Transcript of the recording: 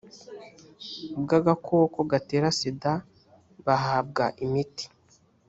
bw agakoko gatera sida bahabwa imiti